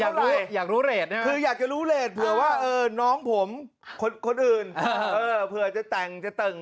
อยากรู้อยากรู้เรทใช่ไหมคืออยากจะรู้เรทเผื่อว่าเออน้องผมคนคนอื่นเออเผื่อจะแต่งจะเต่ง